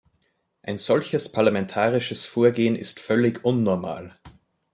Ein solches parlamentarisches Vorgehen ist völlig unnormal.